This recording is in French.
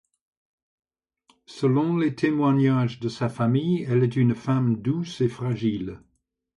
Selon les témoignages de sa famille, elle est une femme douce et fragile.